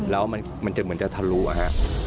แล้วมันจะเหมือนจะทะลุอะฮะ